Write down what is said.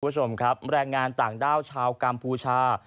คุณผู้ชมครับแรงงานต่างด้าวชาวกัมพูชา